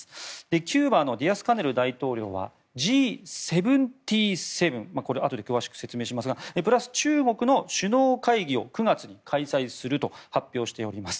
キューバのディアスカネル大統領はＧ７７、これはあとで詳しく説明しますがプラス中国の首脳会議を９月に開催すると発表しています。